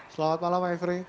selamat malam maifri